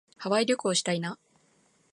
ハワイ旅行したいな。